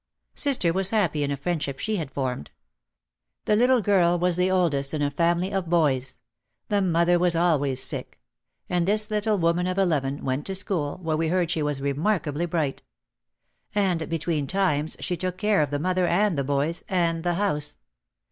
Sister was happy in a friendship she had formed. The little girl was the oldest in a family of boys. The mother was always sick. And this little woman of eleven went to school, where we heard she was remarkably bright. And between times she took care of the mother and the boys and the house.